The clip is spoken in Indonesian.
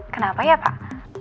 kenapa ya pak